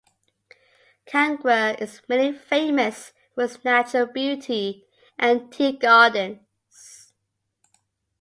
Kangra is mainly famous for its natural beauty and tea gardens.